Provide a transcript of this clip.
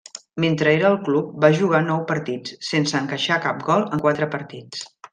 Mentre era al club, va jugar nou partits, sense encaixar cap gol en quatre partits.